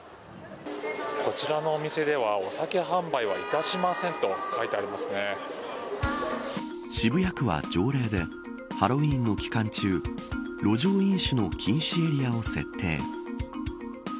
こちらのお店ではお酒販売はいたしませんと渋谷区は条例でハロウィーンの期間中路上飲酒の禁止エリアを設定。